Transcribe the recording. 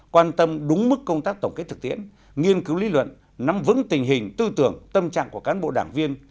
quan tâm đúng mức công tác tổng kết thực tiễn nghiên cứu lý luận nắm vững tình hình tư tưởng tâm trạng của cán bộ đảng viên